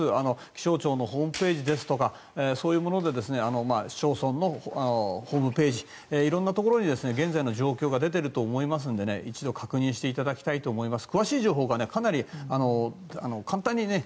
気象庁のホームページですとかそういうものや市町村のホームページ色んなところに現在の状況が出ていると思いますので一度確認していただきたいと思います。